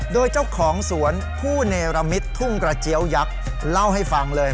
โดยเจ้าของสวนผู้เนรมิตทุ่งกระเจี๊ยวยักษ์เล่าให้ฟังเลย